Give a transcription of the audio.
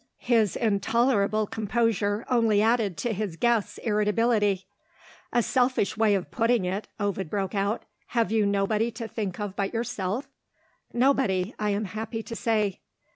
His intolerable composure only added to his guest's irritability. "A selfish way of putting it," Ovid broke out. "Have you nobody to think of but yourself?" "Nobody I am happy to say."